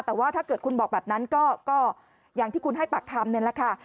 แต่ว่าถ้าเกิดคุณบอกแบบนั้นก็อย่างที่คุณให้ปากคำนี่แหละค่ะ